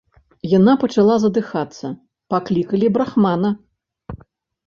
Яна пачала задыхацца, паклікалі брахмана.